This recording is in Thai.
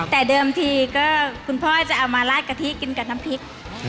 แต่เดิมทีก็คุณพ่อจะเอามาลาดกะทิกินกับน้ำพริก